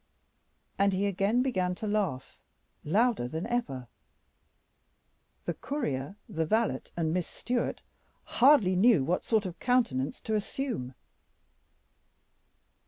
And he again began to laugh louder than ever. The courier, the valet, and Miss Stewart hardly knew what sort of countenance to assume.